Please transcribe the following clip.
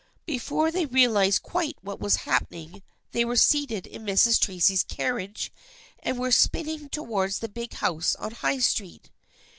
' Before they realized quite what was happening they were seated in Mrs. Tracy's carriage and were spinning towards the big house on High Street.